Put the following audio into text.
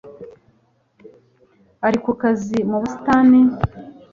Ari ku kazi mu busitani